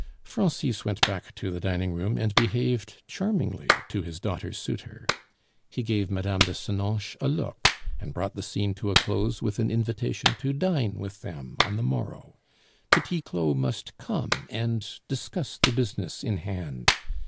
Francis went back to the dining room and behaved charmingly to his daughter's suitor. He gave Mme. de Senonches a look, and brought the scene to a close with an invitation to dine with them on the morrow; Petit Claud must come and discuss the business in hand.